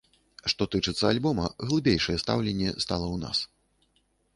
Што тычыцца альбома, глыбейшае стаўленне стала ў нас.